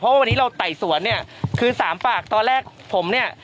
เพราะว่าวันนี้เราไต่สวนเนี่ยคือสามปากตอนแรกผมเนี่ย